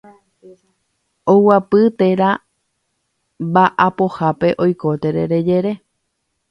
Ogapy térã mba'apohápe oiko terere jere.